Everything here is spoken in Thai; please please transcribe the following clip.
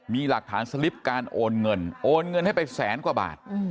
มีหลักฐานสลิปการโอนเงินโอนเงินให้ไปแสนกว่าบาท